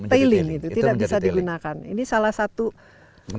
tailing itu tidak bisa digunakan ini salah satu